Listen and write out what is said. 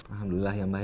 alhamdulillah ya mbak ya